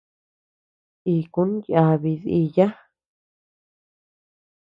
Ikun yábi diiya.